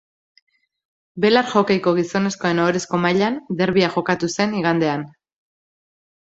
Belar hokeiko gizonezkoen ohorezko mailan derbia jokatu zen igandean.